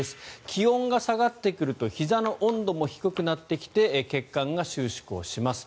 気温が下がってくるとひざの温度も低くなってきて血管が収縮をします。